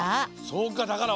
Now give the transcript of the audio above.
そうか！